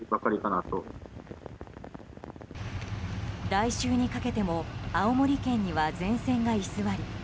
来週にかけても青森県には前線が居座り